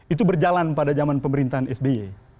itu berjalan pada zaman pemerintahan sby